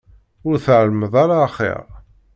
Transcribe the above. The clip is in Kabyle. Ur tεellmeḍ ara axir.